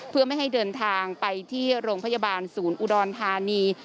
เพื่อไม่ให้เดินทางไปที่โรงพยาบาลศูนย์อุดรธานี